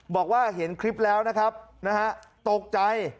บอกว่าเห็นคลิปแล้วนะครับนะฮะตกใจ